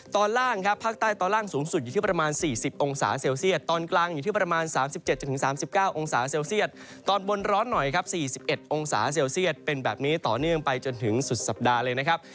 ตอนล่างครับภาคใต้ตอนล่างสูงสุดอยู่ที่ประมาณ๔๐องศาเซลเซียตตอนกลางอยู่ที่ประมาณ๓๗๓๙องศาเซลเซียตตอนบนร้อนหน่อยครับ๔๑องศาเซลเซียตเป็นแบบนี้ต่อเนื่องไปจนถึงสุดสัปดาห์เลยนะครับ